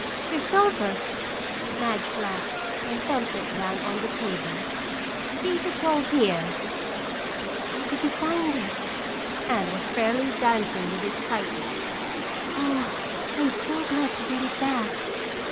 "Your silver," Madge laughed and thumped it down on the table. "See if it's all here." "Where did you find it?" Anne was fairly dancing with excitement. "Oh, I'm so glad to get it back.